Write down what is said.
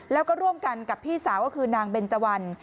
แล้วก็ร่วมกันกับพี่สาวก็คือนางเบนเจวัน